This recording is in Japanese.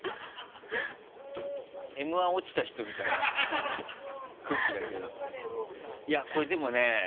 Ｍ−１落ちた人みたいな空気だけどいやこれでもね。